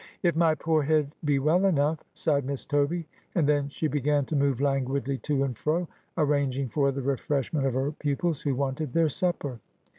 ' If my poor head be well enough,' sighed Miss Toby, and then she began to move languidly to and fro, arranging for the refreshment of her pupils, who wanted their supper.